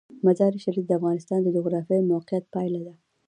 مزارشریف د افغانستان د جغرافیایي موقیعت پایله ده.